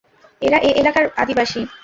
এরা এ এলাকার আদিবাসী।